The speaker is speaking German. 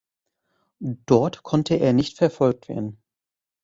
Dort konnte er nicht verfolgt werden.